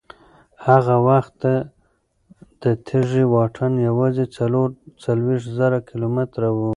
هغه وخت د تېږې واټن یوازې څلور څلوېښت زره کیلومتره و.